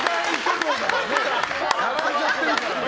暴れちゃってるからね。